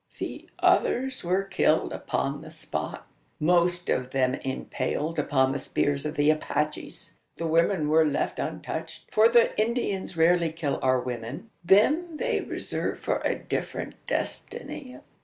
The others were killed upon the spot most of them impaled upon the spears of the Apaches! The women were left untouched: for the Indians rarely kill our women. Them they reserve for a different destiny.